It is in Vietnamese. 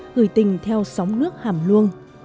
người tình theo sóng nước hàm luông